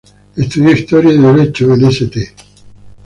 Estudió historia y derecho en St.